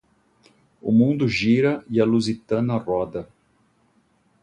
O mundo gira e a Luzitana roda.